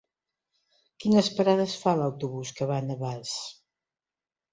Quines parades fa l'autobús que va a Navàs?